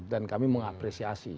dan kami mengapresiasi